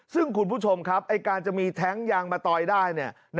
ซึ่งคุณผู้ชมครับการจะมีแท้งยางมะตอยได้